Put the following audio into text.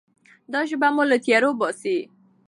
دا ژبه مو له تیارو باسي.